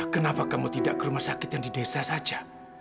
kenapa kamu tidak ke rumah sakit yang di desa saja